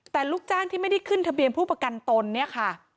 แต่ลูกจ้างไม่ได้ขึ้นทะเบียนภูปกันตนนี้ค่ะ